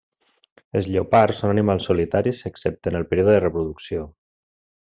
Els lleopards són animals solitaris excepte en el període de reproducció.